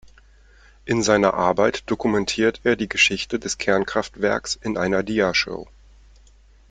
In seiner Arbeit dokumentiert er die Geschichte des Kernkraftwerks in einer Diashow.